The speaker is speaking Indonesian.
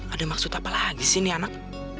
ada maksud apa lagi sih anak